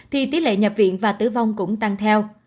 thì tỷ lệ nhập viện và tử vong cũng tăng theo